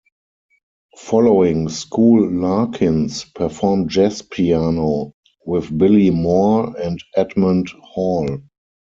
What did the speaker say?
Following school Larkins performed jazz piano with Billy Moore and Edmond Hall.